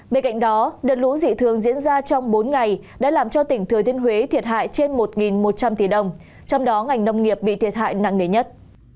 bên cạnh đó đợt lũ dị thường diễn ra trong bốn ngày đã làm cho tỉnh thừa thiên huế thiệt hại trên một một trăm linh tỷ đồng trong đó ngành nông nghiệp bị thiệt hại nặng nề nhất